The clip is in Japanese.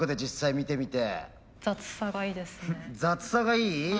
雑さがいい？